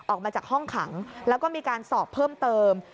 ออกมาจากห้องขังแล้วก็มีการสอบเพิ่มเติม